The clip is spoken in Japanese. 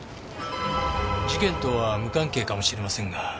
事件とは無関係かもしれませんが。